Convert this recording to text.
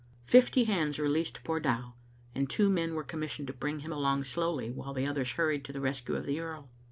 Fifty hands released poor Dow, and two men were commissioned to bring him along slowly while the others hurried to the rescue of the earl.